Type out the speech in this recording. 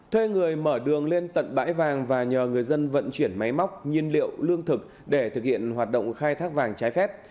thuê người mở đường lên tận bãi vàng và nhờ người dân vận chuyển máy móc nhiên liệu lương thực để thực hiện hoạt động khai thác vàng trái phép